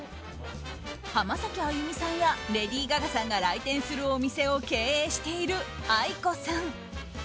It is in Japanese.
浜崎あゆみさんやレディー・ガガさんが来店するお店を経営しているＡＩＫＯさん。